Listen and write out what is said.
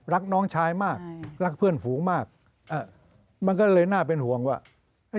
รักน้องชายมากรักเพื่อนฝูงมากมันก็เลยน่าเป็นห่วงว่า